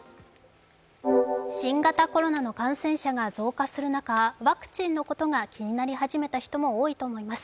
新型コロナの感染者が増加する中、今ワクチンのことが気になり始めた人も多いと思います。